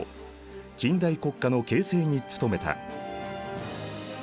近代国家の形成に努めた。